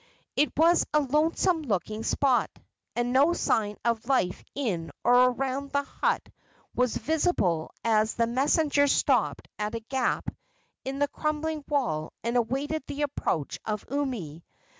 It was a lonesome looking spot, and no sign of life in or around the hut was visible as the messenger stopped at a gap in the crumbling wall and awaited the approach of Umi.